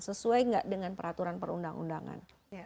sesuai nggak dengan peraturan perundang undangan